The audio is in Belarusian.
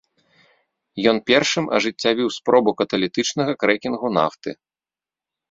Ён першым ажыццявіў спробу каталітычнага крэкінгу нафты.